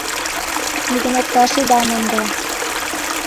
Вӱдым опташ ида мондо.